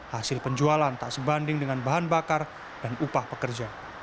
hasil penjualan tak sebanding dengan bahan bakar dan upah pekerja